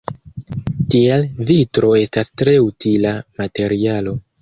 Tiel, vitro estas tre utila materialo.